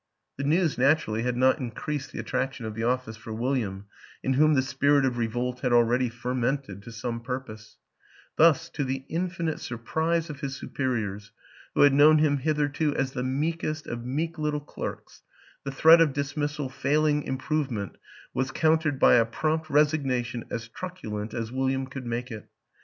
The news, naturally, had not increased the attraction of the office for William, in whom the spirit of revolt had already fermented to some purpose; thus, to the infinite surprise of his superiors, who had known him hitherto as the meekest of meek little clerks, the threat of dismissal failing im provement was countered by a prompt resignation as truculent as William could make it.